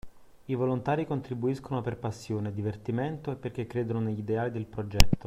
I volontari contribuiscono per passione, divertimento e perché credono negli ideali del progetto.